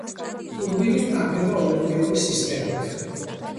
ტურნირი ტარდება ოლიმპიური სისტემით.